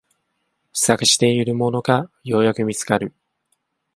探していたものがようやく見つかる